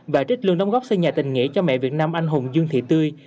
và trích luôn đóng góp xây nhà tình nghĩa cho mẹ việt nam anh hùng dương thị tươi